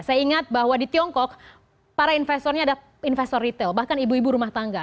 saya ingat bahwa di tiongkok para investornya ada investor retail bahkan ibu ibu rumah tangga